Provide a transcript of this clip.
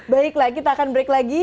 baiklah kita akan break lagi